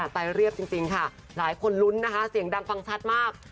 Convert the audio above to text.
เรียบจริงค่ะหลายคนลุ้นนะคะเสียงดังฟังชัดมาก